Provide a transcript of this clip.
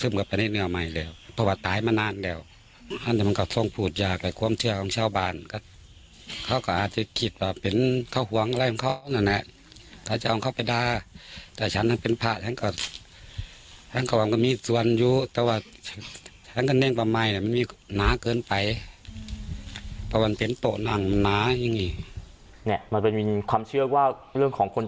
มันทรงกลิ่นมิ้นมันทรงกลิ่นขนาดตาเดร์